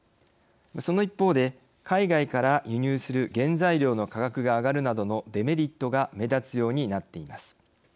その一方で海外から輸入する原材料の価格が上がるなどのデメリットが目立つようになっています。